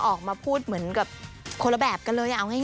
ออกมาพูดเหมือนกับคนละแบบกันเลยเอาง่าย